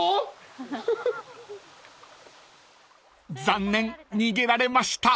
［残念逃げられました］